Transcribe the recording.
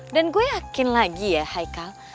dan gue yakin lagi ya haikal